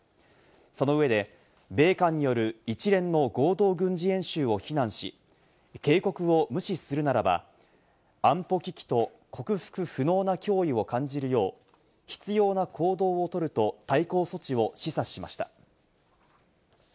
その上で米韓による一連の合同軍事演習を非難し、警告を無視するならば、安保危機と克服不能な脅威を感じるよう必要な行動をとると対抗措置を示唆しました。